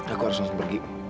aku harus langsung pergi